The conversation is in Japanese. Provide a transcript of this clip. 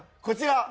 こちら